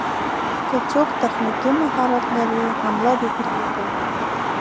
که څوک تخنيکي مهارت لري حمله دې پرې وکړي.